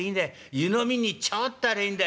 湯飲みにちょっとありゃいいんだ。